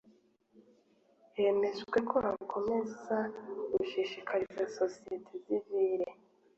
hemejwe ko hakomeza gushishikariza sosiyete sivile